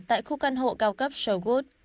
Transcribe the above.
tại khu căn hộ cao cấp show good